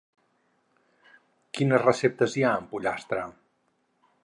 Quines receptes hi ha amb pollastre?